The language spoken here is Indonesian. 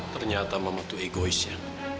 ternyata mama tuh egois ya